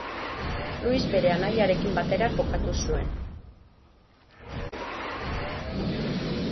Luis bere anaiarekin batera jokatu zuen.